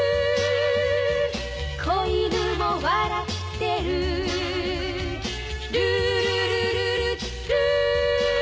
「小犬も笑ってる」「ルールルルルルー」